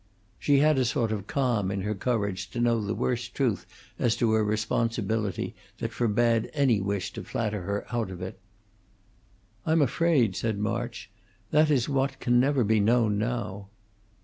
She had a sort of calm in her courage to know the worst truth as to her responsibility that forbade any wish to flatter her out of it. "I'm afraid," said March, "that is what can never be known now."